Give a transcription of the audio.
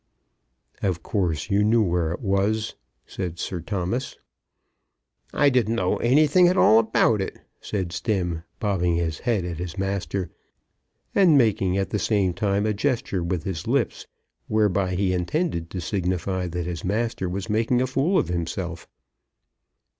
"Of course you knew where it was," said Sir Thomas. "I didn't know nothing at all about it," said Stemm, bobbing his head at his master, and making at the same time a gesture with his lips, whereby he intended to signify that his master was making a fool of himself.